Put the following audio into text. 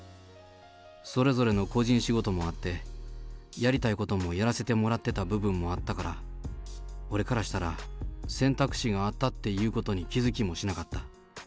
それぞれの個人仕事もあって、やりたいこともやらせてもらってた部分もあったから、俺からしたら、選択肢があったっていうことに気付きもしなかった。